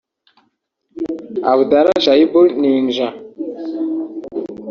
Abdalah Shaibu Ninja